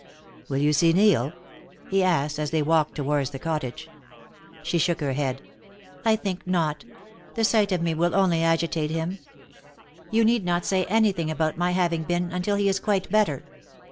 "Will you see Neil?" he asked as they walked towards the cottage. She shook her head. "I think not; the sight of me will only agitate him. You need not say anything about my having been until he is quite better.